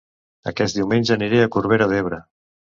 Aquest diumenge aniré a Corbera d'Ebre